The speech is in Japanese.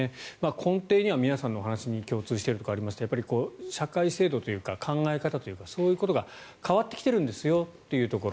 根底には、皆さんのお話に共通しているところにあるのは社会制度というか考え方というかそういうところが変わってきているんですよというところ。